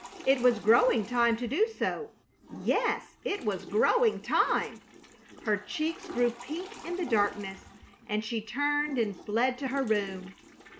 It was growing time to do so; yes it was growing time! Her cheeks grew pink in the darkness and she turned and fled to her room.